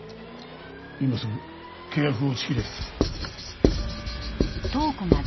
今すぐ契約を打ち切れ。